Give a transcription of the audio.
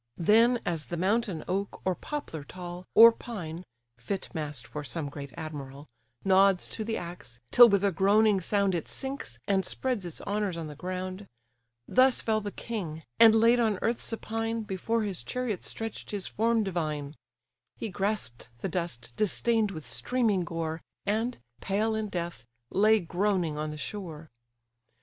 Then as the mountain oak, or poplar tall, Or pine (fit mast for some great admiral) Nods to the axe, till with a groaning sound It sinks, and spreads its honours on the ground, Thus fell the king; and laid on earth supine, Before his chariot stretch'd his form divine: He grasp'd the dust distain'd with streaming gore, And, pale in death, lay groaning on the shore.